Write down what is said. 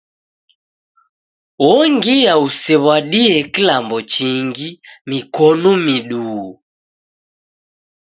Ongia usew'adie kilambo chingi, mikonu miduu.